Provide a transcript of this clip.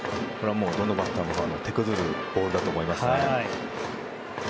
どのバッターも手こずるボールだと思いますね。